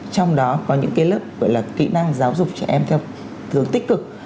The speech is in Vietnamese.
trong đó có những cái lớp gọi là kỹ năng giáo dục trẻ em theo thường tích cực